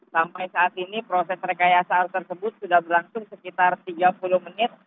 sampai saat ini proses rekayasa arus tersebut sudah berlangsung sekitar tiga puluh menit